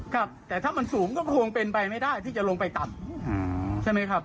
ครับแต่ถ้ามันสูงก็คงเป็นไปไม่ได้ที่จะลงไปต่ำใช่ไหมครับ